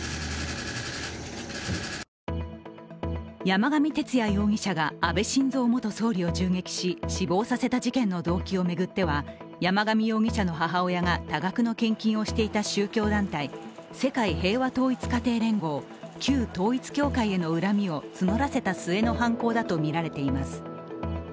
山上徹也容疑者が安倍晋三元総理を銃撃し、死亡させた事件の動機を巡っては山上容疑者の母親が多額の献金をしていた宗教団体世界平和統一家庭連合＝旧統一教会への恨みを募らせた末の犯行だとみられています。